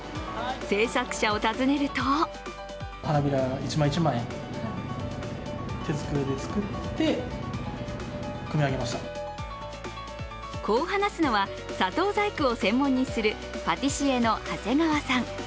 制作者を訪ねるとこう話すのは砂糖細工を専門にするパティシエの長谷川さん。